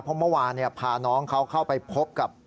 เพราะเมื่อวานพาน้องเขาเข้าไปพบกับ